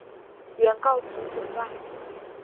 原告其所在！